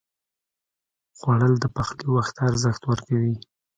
خوړل د پخلي وخت ته ارزښت ورکوي